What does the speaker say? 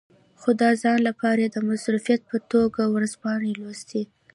خو د ځان لپاره یې د مصروفیت په توګه ورځپاڼې لوستې.